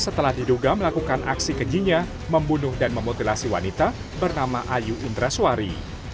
setelah diduga melakukan aksi kejinya membunuh dan memutilasi wanita bernama ayu indraswari